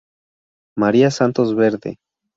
María Santos Verde.